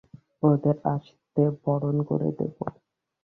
ওদের আসতে বারণ করে দেব।